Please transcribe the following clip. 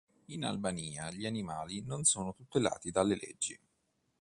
In Albania gli animali non sono tutelati dalle leggi.